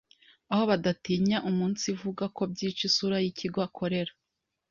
aho badatinya umunsivuga ko byica isura y’ikigo akorera.